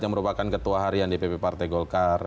yang merupakan ketua harian di pp partai golkar